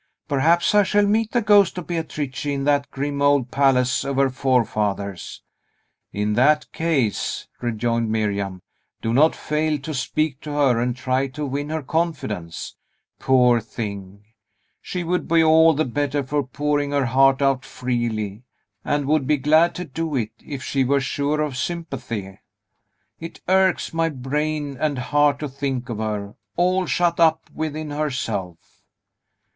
Perhaps I shall meet the ghost of Beatrice in that grim old palace of her forefathers." "In that case," rejoined Miriam, "do not fail to speak to her, and try to win her confidence. Poor thing! she would be all the better for pouring her heart out freely, and would be glad to do it, if she were sure of sympathy. It irks my brain and heart to think of her, all shut up within herself."